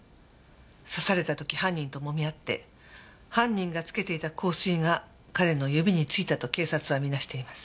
刺された時犯人ともみ合って犯人がつけていた香水が彼の指についたと警察は見なしています。